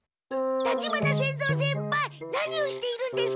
立花仙蔵先輩何をしているんですか？